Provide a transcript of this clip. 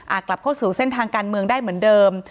กลับเข้าสู่เส้นทางการเมืองได้เหมือนเดิม